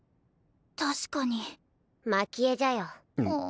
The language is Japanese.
確かにまき餌じゃよ